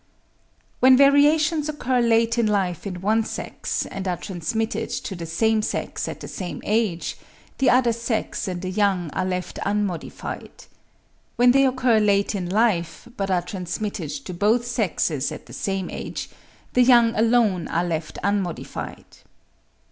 When variations occur late in life in one sex, and are transmitted to the same sex at the same age, the other sex and the young are left unmodified. When they occur late in life, but are transmitted to both sexes at the same age, the young alone are left unmodified.